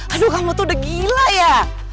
aduh kamu tuh udah gila ya